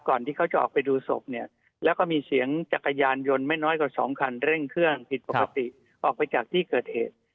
ที่เขาจะออกไปดูศพเนี่ยแล้วก็มีเสียงจักรยานยนต์ไม่น้อยกว่าสองคันเร่งเครื่องผิดปกติออกไปจากที่เกิดเหตุ